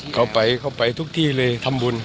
เขาไปทุกที่เลยทำบุญ